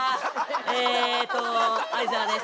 えーと、相沢です。